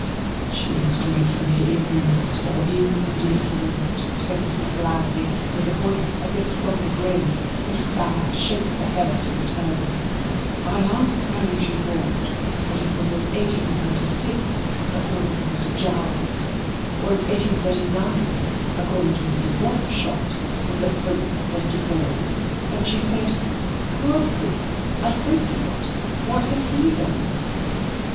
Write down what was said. "She is dreadfully ignorant or indifferent," said Mrs. Glowry with a voice as if from the grave, and a sad shake of the head and turban. "I asked her if she thought that it was in 1836, according to Mr. Jowls, or in 1839, according to Mr. Wapshot, that the Pope was to fall: and she said 'Poor Pope! I hope not What has he done?'"